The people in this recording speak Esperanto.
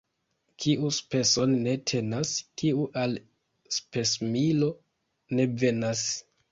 Kiu speson ne tenas, tiu al spesmilo ne venas.